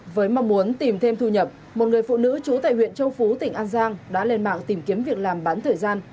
với mong muốn tìm thêm thu nhập một người phụ nữ trú tại huyện châu phú tỉnh an giang đã lên mạng tìm kiếm việc làm bán thời gian